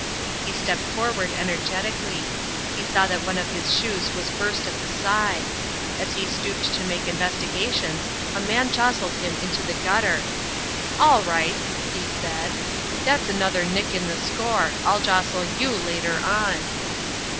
He stepped forward energetically; he saw that one of his shoes was burst at the side. As he stooped to make investigations, a man jostled him into the gutter. "All right," he said. "That's another nick in the score. I'll jostle you later on."